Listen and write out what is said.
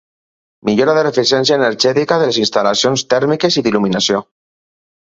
Millora de l'eficiència energètica de les instal·lacions tèrmiques i d'il·luminació.